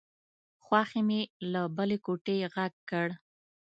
خواښې مې له بلې کوټې غږ کړ.